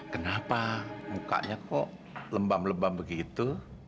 kenapa mukanya kok lembam lebam begitu